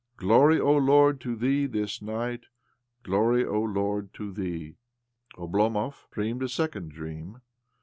Glory, О Lord, to Thee this night ! Glory, О Lord, to Thee !" Oblomov dreamed a second dream.